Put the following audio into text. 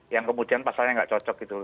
yang kemudian pasalnya nggak cocok gitu